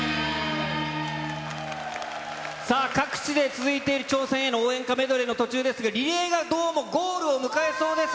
さあ、各地で続いている挑戦への応援歌メドレーの途中ですが、リレーがどうもゴールを迎えそうです。